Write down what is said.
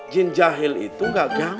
jin jahil itu gak gampang